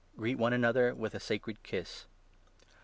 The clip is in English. Greet one another 20 with a sacred kiss.